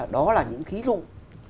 đó là những thí dụng